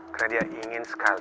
karena dia ingin sekali